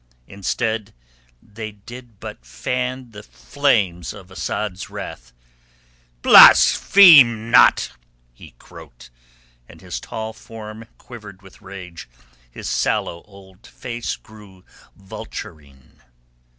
Instead, they did but fan the flames of Asad's wrath. "Blaspheme not," he croaked, and his tall form quivered with rage, his sallow old face grew vulturine.